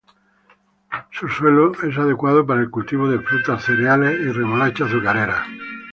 Su suelo es adecuado para el cultivo de frutas, cereales y remolacha azucarera.